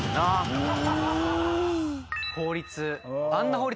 法律。